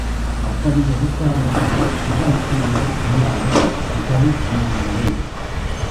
அப்படி எதிர்க்காவிட்டால் இகழ்ச்சியே உண்டாகும் புகழ் அமையாது.